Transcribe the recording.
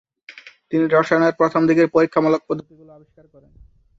তিনি রসায়নের প্রথম দিকের পরীক্ষামূলক পদ্ধতিগুলো আবিষ্কার করেন।